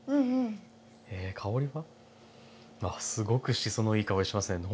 香りはあっすごくしそのいい香りしますね。